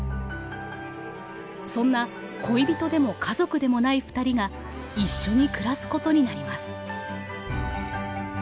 そんな恋人でも家族でもないふたりが一緒に暮らすことになります。